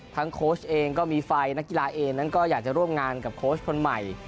โค้ชเองก็มีไฟนักกีฬาเองนั้นก็อยากจะร่วมงานกับโค้ชคนใหม่